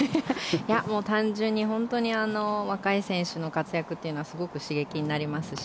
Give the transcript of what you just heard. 単純に本当に若い選手の活躍というのはすごく刺激になりますし。